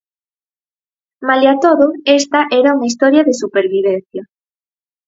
Malia todo, esta era unha historia de supervivencia.